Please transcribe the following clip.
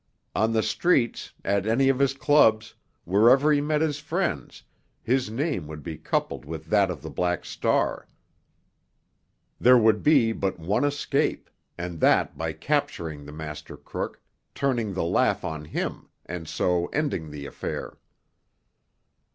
On the streets, at any of his clubs, wherever he met his friends, his name would be coupled with that of the Black Star. There would be but one escape—and that by capturing the master crook, turning the laugh on him, and so ending the affair.